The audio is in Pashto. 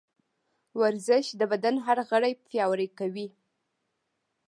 ورزش د بدن هر غړی پیاوړی کوي.